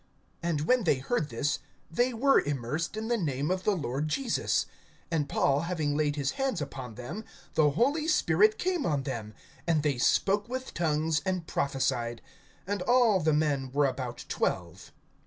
(5)And when they heard this, they were immersed in the name of the Lord Jesus. (6)And Paul having laid his hands upon them, the Holy Spirit came on them; and they spoke with tongues, and prophesied. (7)And all the men were about twelve.